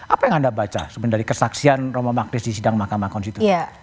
apa yang anda baca sebenarnya dari kesaksian roma maghris di sidang mahkamah konstitusi